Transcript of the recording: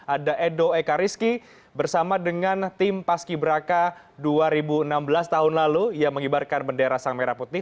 ada edo ekariski bersama dengan tim paski braka dua ribu enam belas tahun lalu yang mengibarkan bendera sang merah putih